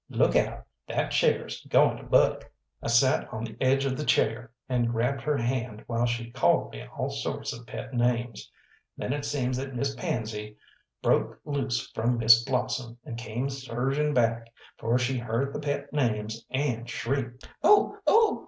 Look out that chair's goin' to buck!" I sat on the edge of the chair, and grabbed her hand while she called me all sorts of pet names. Then it seems that Miss Pansy broke loose from Miss Blossom, and came surging back, for she heard the pet names, and shrieked "Oh! oh!